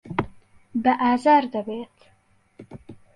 بە ئازار دەبێت.